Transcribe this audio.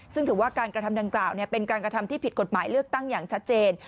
ซึ่งถือว่าการกระทำดังกล่าวเป็นการกระทำที่ผิดกฎหมายเลือกตั้งอย่างชัดเจน